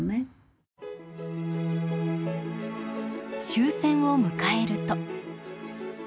終戦を迎えると。